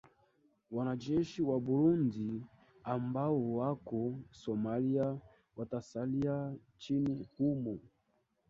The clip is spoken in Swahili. wanajeshi wa burudi ambao wako somalia watasalia nchini humo